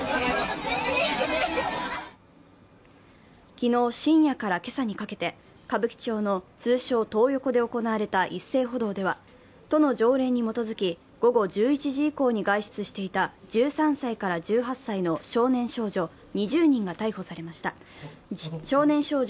昨日深夜から今朝にかけて、歌舞伎町の通称・トー横で行われた一斉補導では都の条例に基づき午後１１時以降に外出していた１３歳から１８歳の少年少女２０人が補導されました。